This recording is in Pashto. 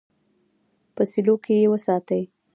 په سیلو کې یې وساتي.